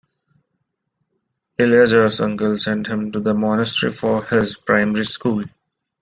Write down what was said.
Eleazar's uncle sent him to the monastery for his primary school.